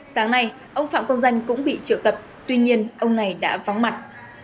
sáng nay ông phạm công danh cũng bị triệu tập tuy nhiên ông này đã vắng mặt